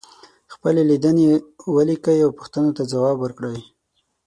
خپلې لیدنې ولیکئ او پوښتنو ته ځواب ورکړئ.